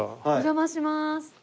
お邪魔します。